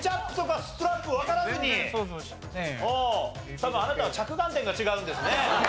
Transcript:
多分あなたは着眼点が違うんですね。